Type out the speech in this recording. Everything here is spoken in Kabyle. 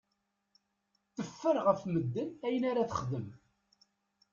Teffer ɣef medden ayen ara texdem.